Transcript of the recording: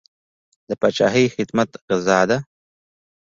د پاچاهۍ خدمت غزا ده.